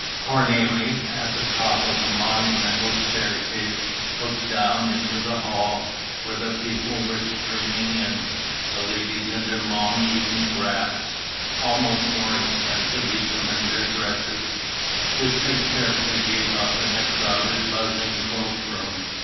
Cornélie, at the top of the monumental staircase, looked down into the hall, where the people were streaming in, the ladies in their long evening wraps almost more expensive even than their dresses which they carefully gave up in the crowded, buzzing cloakroom.